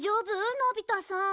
のび太さん。